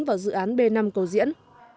hội đồng xét xử tiếp tục ở dự án b năm tổ diễn